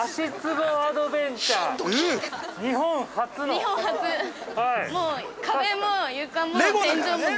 日本初の？